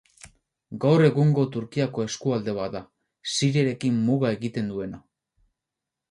Gaur egungo Turkiako eskualde bat da, Siriarekin muga egiten duena.